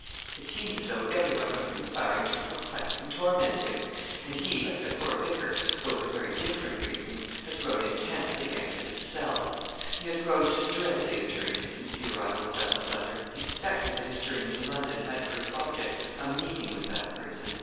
It seemed as though everyone was conspiring to perplex and torment him; and he, like the poor vicar, though for very different reasons, had grown intensely anxious to sell. He had grown to dread the attorney, since the arrival of Dutton's letter. He suspected that his journey to London had for its object a meeting with that person.